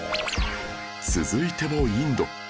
続いてもインド